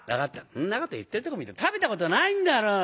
そんなこと言ってるとこ見ると食べたことないんだろう？